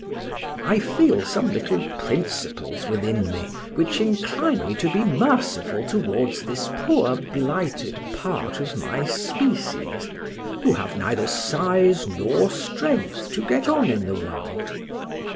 I feel some little principles within me which incline me to be merciful towards this poor blighted part of my species, who have neither size nor strength to get on in the world.